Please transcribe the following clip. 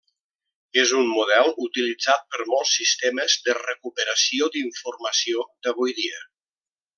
És un model utilitzat per molts sistemes de recuperació d'informació d'avui dia.